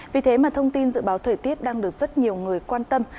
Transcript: vì thế mà thông tin dự báo thời tiết đang được rất nhiều người quan tâm